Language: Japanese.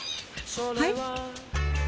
はい？